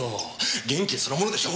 元気そのものでしょ？